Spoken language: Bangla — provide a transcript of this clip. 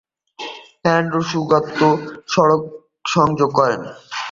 হ্যান এর যুক্তিসংগত সড়ক সংযোগ রয়েছে।